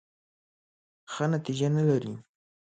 ښه نتیجه نه لري .